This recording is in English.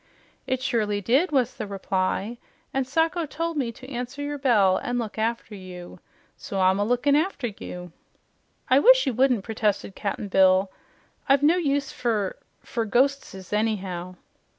"It surely did," was the reply, "and Sacho told me to answer your bell and look after you. So I'm a lookin' after you." "I wish you wouldn't," protested Cap'n Bill. "I've no use fer fer ghostses, anyhow."